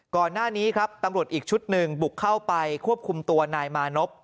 ก่อนหน้านี้ครับตำรวจอีกชุดหนึ่งบุกเข้าไปควบคุมตัวนายมานพ